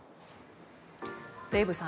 デーブさん